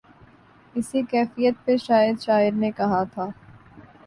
اسی کیفیت پہ شاید شاعر نے کہا تھا۔